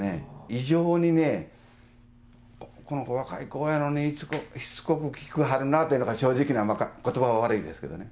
異常にね、この子、若い子やのにしつこく聞きはるなというのが正直な、ことばは悪いですけどね。